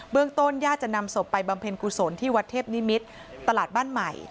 ต้นญาติจะนำศพไปบำเพ็ญกุศลที่วัดเทพนิมิตรตลาดบ้านใหม่